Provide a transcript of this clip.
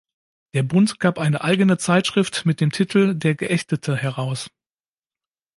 Der Bund gab eine eigene Zeitschrift mit dem Titel "Der Geächtete" heraus.